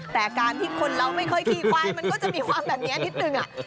แต่การที่คนเราไม่ค่อยขี้ควายมันก็จะมีความแบบนี้นิดนึง